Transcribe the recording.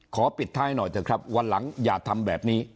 ปิดท้ายหน่อยเถอะครับวันหลังอย่าทำแบบนี้